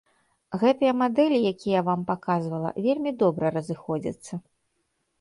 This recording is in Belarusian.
Гэтыя мадэлі, якія я вам паказвала, вельмі добра разыходзяцца.